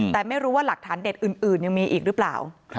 แต่ไม่รู้ว่าหลักฐานเด็ดอื่นยังมีอีกหรือเปล่า